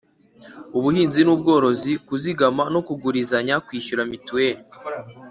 Ubuhinzi ubworozi kuzigama no kugurizanya kwishyura mituweli